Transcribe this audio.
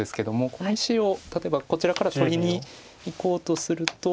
この石を例えばこちらから取りにいこうとすると。